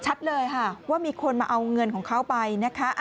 เลยค่ะว่ามีคนมาเอาเงินของเขาไปนะคะ